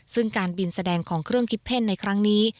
ซึ่งการบินแสดงของเครื่องกิฟเพ่นในครั้งนี้